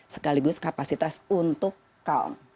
sekaligus kapasitas untuk tenang